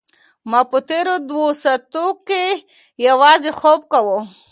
ما په تېرو دوو ساعتونو کې یوازې خوب کاوه.